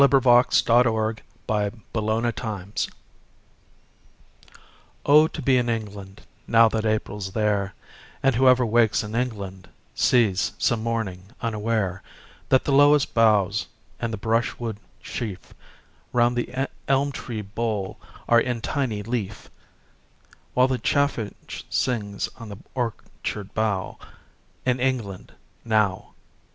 Robert Browning Home Thoughts, From Abroad OH, to be in England Now that April's there, And whoever wakes in England Sees, some morning, unaware, That the lowest boughs and the brush wood sheaf Round the elm tree bole are in tiny leaf, While the chaffinch sings on the orchard bough In England now!